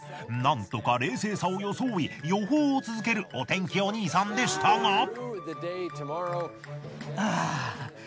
なんとか冷静さを装い予報を続けるお天気お兄さんでしたが。